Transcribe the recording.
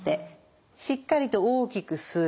しっかりと大きく吸う。